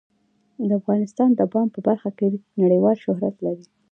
افغانستان د بادام په برخه کې نړیوال شهرت لري.